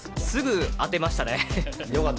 すぐに当てましたね。